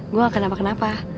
gue gak kenapa kenapa